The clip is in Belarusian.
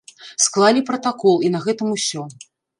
Склалі пратакол, і на гэтым усё.